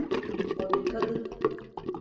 O bir kadın.